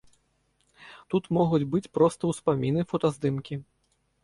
Тут могуць быць проста ўспаміны, фотаздымкі.